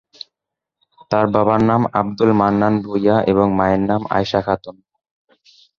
তার বাবার নাম আবদুল মান্নান ভূঁইয়া এবং মায়ের নাম আয়েশা খাতুন।